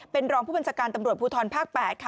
เป็นรองผู้บัญชาการตำรวจภูทรภาค๘ค่ะ